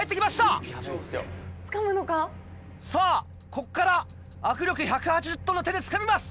ここから握力１８０ｔの手でつかみます！